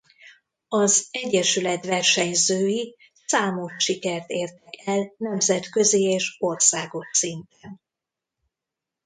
Az egyesület versenyzői számos sikert értek el nemzetközi és országos szinten.